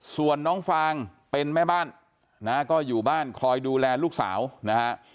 ส่วนน้องฟางเป็นแม่บ้านนะฮะก็อยู่บ้านคอยดูแลลูกสาวนะฮะ